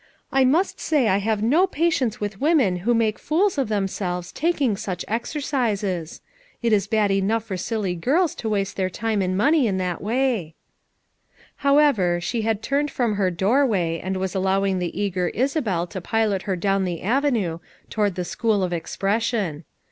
I must say I have no patience with women who make fools of them selves taking such exercises. It is bad enough for silly girls to waste their time and money in that way." However, she had turned from her doorway and was allowing the eager Isabel to pilot her FOUR MOTHERS AT CHAUTAUQUA 313 down the avenue toward the " School of Expres sion."